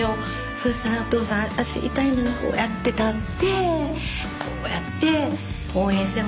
そしたらお父さん脚痛いのにこうやって立ってこうやって応援してました。